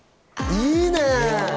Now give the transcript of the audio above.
いいね！